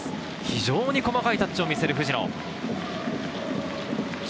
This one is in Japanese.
非常に細かいタッチを見せる藤野。